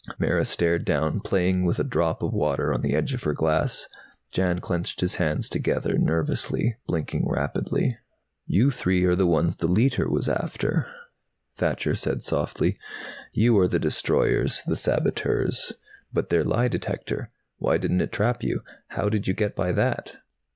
Mara stared down, playing with a drop of water on the edge of her glass. Jan clenched his hands together nervously, blinking rapidly. "You three are the ones the Leiter was after," Thacher said softly. "You are the destroyers, the saboteurs. But their lie detector Why didn't it trap you? How did you get by that?